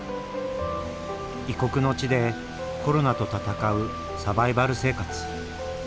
異国の地でコロナと闘うサバイバル生活。